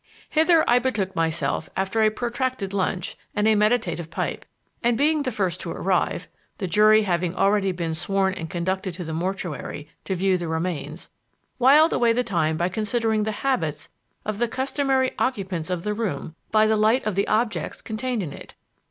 Hither I betook myself after a protracted lunch and a meditative pipe, and being the first to arrive the jury having already been sworn and conducted to the mortuary to view the remains whiled away the time by considering the habits of the customary occupants of the room by the light of the objects contained in it.